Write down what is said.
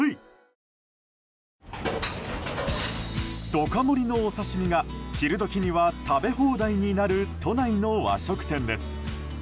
ドカ盛りのお刺し身が昼時には食べ放題になる都内の和食店です。